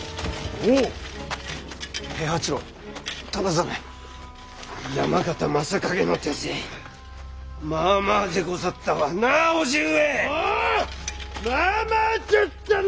おうまあまあじゃったの！